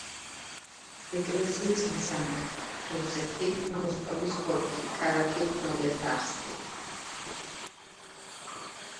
ეკლესიის მისამართი: რუსეთი, როსტოვის ოლქი, ქალაქი პროლეტარსკი.